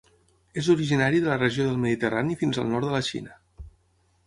És originari de la regió del Mediterrani fins al nord de la Xina.